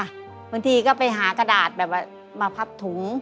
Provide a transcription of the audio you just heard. บางทีก็ไปหากระดาษแบบว่ามาพับถุง